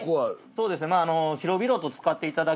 そうですか。